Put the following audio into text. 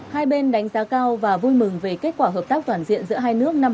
hai bên đánh giá cao và vui mừng về kết quả hợp tác toàn diện giữa hai nước năm hai nghìn một mươi ba